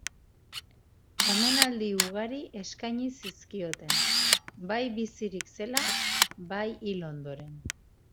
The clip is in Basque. Omenaldi ugari eskaini zizkioten, bai bizirik zela, bai hil ondoren.